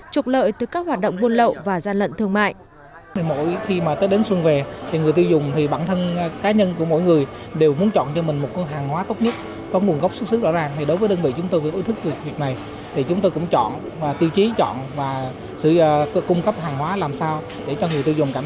trục lợi từ các hoạt động buôn lậu và gian lận thương mại